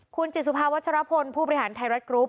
คุณจิตสุภาวัชรพลผู้บริหารไทยรัฐกรุ๊ป